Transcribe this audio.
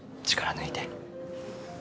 力抜いて。